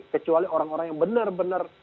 kecuali orang orang yang benar benar